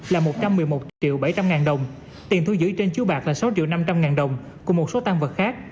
là một trăm một mươi một triệu bảy trăm linh ngàn đồng tiền thu giữ trên chiếu bạc là sáu triệu năm trăm linh ngàn đồng cùng một số tăng vật khác